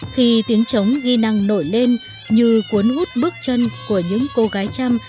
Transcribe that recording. khi tiếng trống ghi năng nổi lên như cuốn hút bước chân của những cô gái chăm